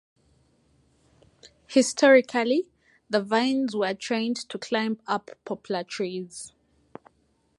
Historically the vines were trained to climb up poplar trees.